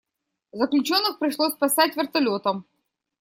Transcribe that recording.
Заключенных пришлось спасать вертолётом.